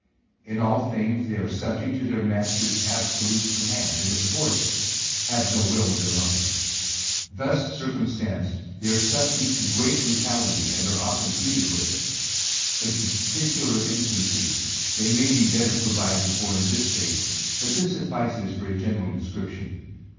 In all things they are subject to their master's absolute command, and, of course, have no will of their own. Thus circumstanced, they are subject to great brutality, and are often treated with it. In particular instances, they may be better provided for in this state, but this suffices for a general description.